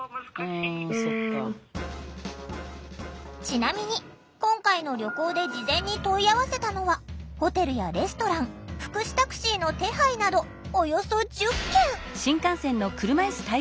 ちなみに今回の旅行で事前に問い合わせたのはホテルやレストラン福祉タクシーの手配など電話１０本してさ分かんないよ